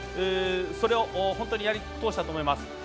それを本当にやり通したと思います。